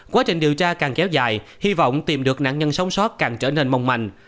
quá trình điều tra càng kéo dài hy vọng tìm được nạn nhân sống sót càng trở nên mong manh